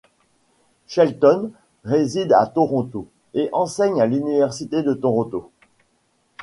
Shelton réside à Toronto et enseigne à l'université de Toronto.